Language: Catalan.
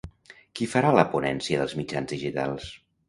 Qui farà la ponència dels mitjans digitals?